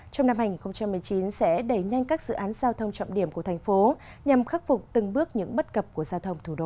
trong năm hai nghìn một mươi chín sẽ đẩy nhanh các dự án giao thông trọng điểm của thành phố nhằm khắc phục từng bước những bất cập của giao thông thủ đô